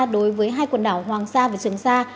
đối với hai quần đảo hoàng sa và trường sa